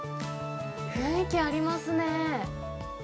雰囲気ありますね。